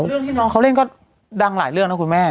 เรื่องที่น้องเขาเล่นก็ดังหลายเรื่องนะคุณแม่